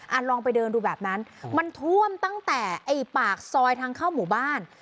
ลองไปเดินดูแบบนั้นมันท่วมตั้งแต่ไอ้ปากซอยทางเข้าหมู่บ้าน